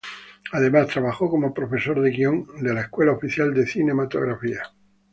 Además, trabajó como profesor de guion de la Escuela Oficial de Cinematografía.